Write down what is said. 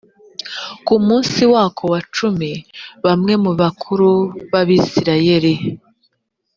ku munsi wako wa cumi bamwe mu bakuru b abisirayeli